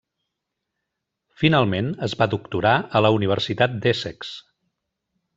Finalment es va doctorar a la Universitat d'Essex.